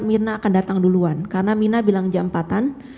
mirna akan datang duluan karena mirna bilang jam empat an